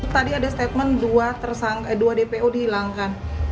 tadi ada statement dua dpo dihilangkan